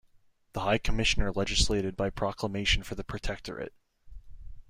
The High Commissioner legislated by proclamation for the protectorate.